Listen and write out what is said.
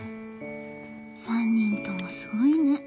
３人ともすごいね。